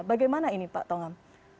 bagaimana ini pak tongam